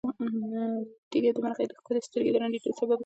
تیږه د مرغۍ د ښکلې سترګې د ړندېدو سبب وګرځېده.